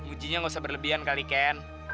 ujinya gak usah berlebihan kali ken